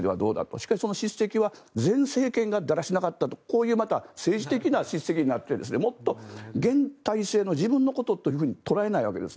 しかし、その叱責は前政権がだらしなかったと政治的な叱責になってもっと現体制の自分のことと捉えないわけです。